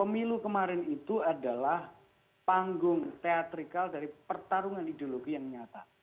pemilu kemarin itu adalah panggung teatrikal dari pertarungan ideologi yang nyata